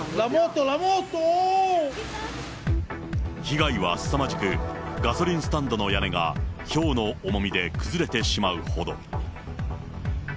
被害はすさまじく、ガソリンスタンドの屋根が、ひょうの重みで崩れてしまうほど。